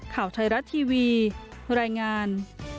ข่าวไทยรัฐทีวีรายงาน